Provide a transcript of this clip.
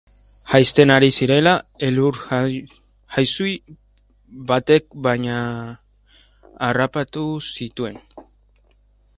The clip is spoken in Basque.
Jaisten ari zirela, elur-jausi batek biak harrapatu zituen.